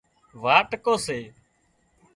واٽڪو سي